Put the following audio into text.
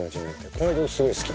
この曲すごい好き。